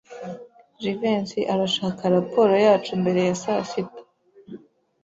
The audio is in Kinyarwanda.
Jivency arashaka raporo yacu mbere ya sasita.